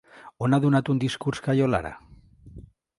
On ha donat un discurs Cayo Lara?